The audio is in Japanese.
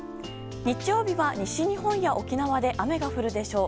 日曜日は、西日本や沖縄で雨が降るでしょう。